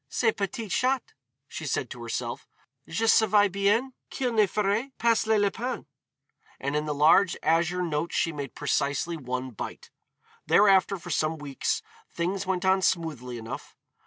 "Ce p'tit chat," she said to herself, "je savais bien qu'il ne ferait pas le lapin." And of the large azure notes she made precisely one bite. Thereafter for some weeks things went on smoothly enough.